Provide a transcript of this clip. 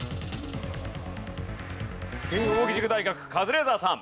慶應義塾大学カズレーザーさん。